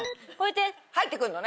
入って来るのね。